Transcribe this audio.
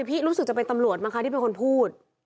รู้สึกจะเป็นตำรวจมั้งคะที่เป็นคนพูด